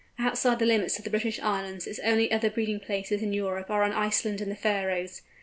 Outside the limits of the British Islands its only other breeding places in Europe are on Iceland and the Faröes.